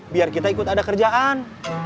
biar kita ikut ada kerjaan